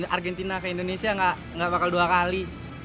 argentina ke indonesia nggak bakal dua kali